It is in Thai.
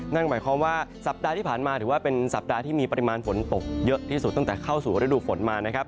นั่นหมายความว่าสัปดาห์ที่ผ่านมาถือว่าเป็นสัปดาห์ที่มีปริมาณฝนตกเยอะที่สุดตั้งแต่เข้าสู่ฤดูฝนมานะครับ